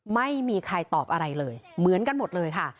ไม่มีใครตอบอะไรเลยเหมือนกันหมดเลยค่ะ